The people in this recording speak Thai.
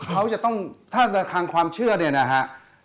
เขาจะต้องถ้าในทางความเชื่อเนี่ยนะฮะ